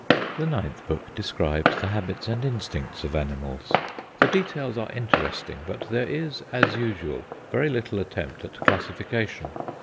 The ninth book describes the habits and instincts of animals. The details are interesting; but there is, as usual, very little attempt at classification.